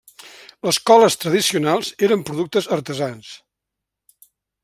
Les coles tradicionals eren productes artesans.